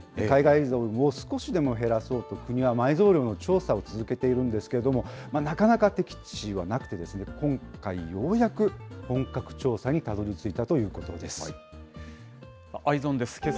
海外依存を少しでも減らそうと、国は埋蔵量の調査を続けているんですけれども、なかなか適地はなくて、今回、ようやく本格調査にたどりついたということです。